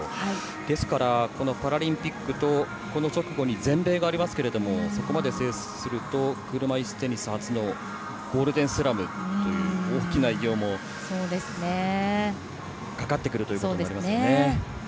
ですからパラリンピックとこの直後に全米がありますけれどもそこまで制すると車いすテニス初のゴールデンスラムという大きな偉業もかかってきます。